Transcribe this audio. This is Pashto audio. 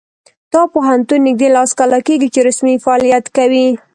دا پوهنتون نږدې لس کاله کیږي چې رسمي فعالیت کوي